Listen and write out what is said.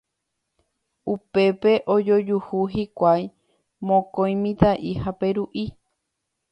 Upépe ojojuhu hikuái mokõi mitã'i ha Peru'i.